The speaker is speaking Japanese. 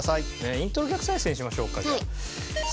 イントロ逆再生にしましょうかじゃあ。